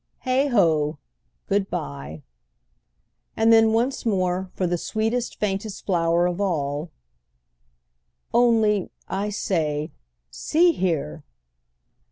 Heigh ho! Good bye." And then once more, for the sweetest faintest flower of all: "Only, I say—see here!"